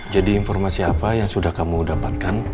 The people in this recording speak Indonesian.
jadi informasi apa yang sudah kamu dapatkan